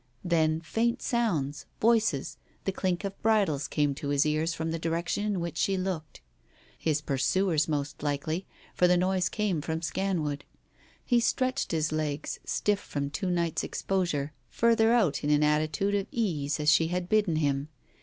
Then faint sounds, voices, the clink of bridles, came to his ears from the direction in which she looked. His pursuers most likely, for the noise came from Scanwood. He stretched his legs, stiff from two nights' exposure, further out in an attitude of ease as she had bidden him.